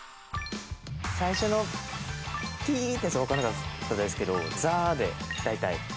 最初の「ピーッ」ってやつわかんなかったですけど「ザー」で大体。